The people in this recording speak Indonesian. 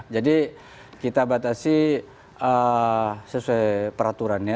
jadi kita batasi sesuai peraturan ya